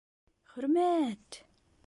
— Хөрмә-әт!..